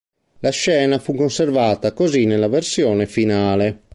La scena fu conservata così nella versione finale.